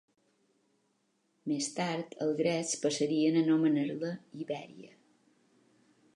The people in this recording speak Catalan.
Més tard els grecs passarien a anomenar-la Ibèria.